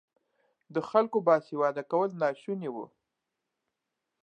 د خلکو باسواده کول ناشوني وو.